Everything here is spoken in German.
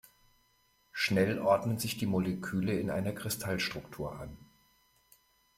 Schnell ordnen sich die Moleküle in einer Kristallstruktur an.